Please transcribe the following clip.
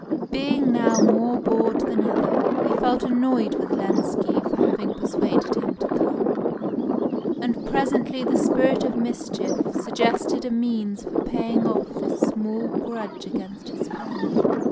Being now more bored than ever, he felt annoyed with Lenski for having persuaded him to come; and presently the spirit of mischief suggested a means for paying off this small grudge against his friend.